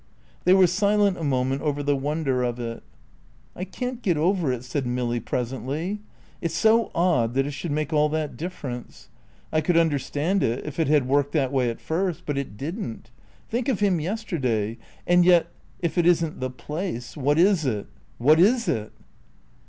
They were silent a moment over the wonder of it. "I can't get over it," said Milly, presently. "It's so odd that it should make all that difference. I could understand it if it had worked that way at first. But it didn't. Think of him yesterday. And yet if it isn't the place, what is it? What is it?"